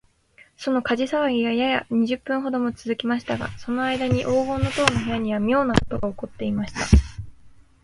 その火事さわぎが、やや二十分ほどもつづきましたが、そのあいだに黄金の塔の部屋には、みょうなことがおこっていました。